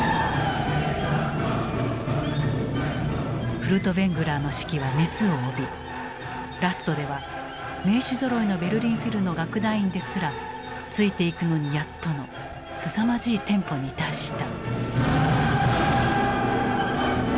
フルトヴェングラーの指揮は熱を帯びラストでは名手ぞろいのベルリン・フィルの楽団員ですらついていくのにやっとのすさまじいテンポに達した。